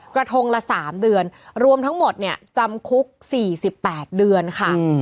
กระทงละ๓เดือนรวมทั้งหมดเนี่ยจำคุก๔๘เดือนค่ะ